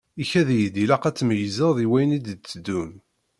Ikad-iyi-d ilaq ad tmeyyzeḍ i wayen i d-iteddun.